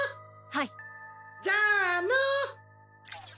はい「じゃあの」